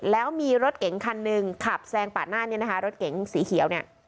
แล้วมีรถเก๋งคันนึงขับแซงปากหน้านี้รถเก๋งสีเขียว